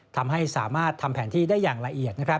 ทำให้สามารถทำแผนที่ได้อย่างละเอียด